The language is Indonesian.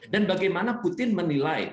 dan bagaimana putin menilai